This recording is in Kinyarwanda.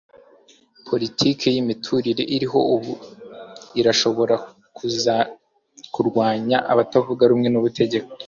Politiki yimiturire iriho ubu irashobora kuza kurwanya abatavuga rumwe n'ubutegetsi.